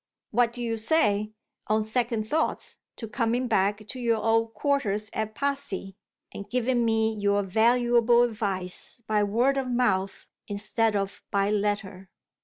What do you say (on second thoughts) to coming back to your old quarters at Passy, and giving me your valuable advice by word of mouth instead of by letter?